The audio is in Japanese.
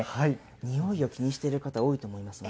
においを気にしている方、多いと思いますね。